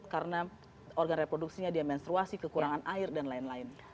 karena organ reproduksinya dia menstruasi kekurangan air dan lain lain